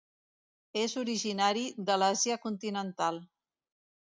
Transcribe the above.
És originari de l'Àsia continental.